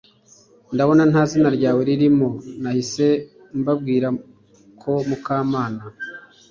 ndabona nta zina ryawe ririmo Nahise mbabwira ko Mukamana